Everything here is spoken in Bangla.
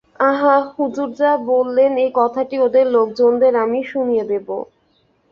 আহা, হুজুর যা বললেন, এই কথাটি ওদের লোকজনদের আমি শুনিয়ে দেব।